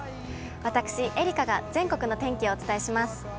私、愛花が全国の天気をお伝えします。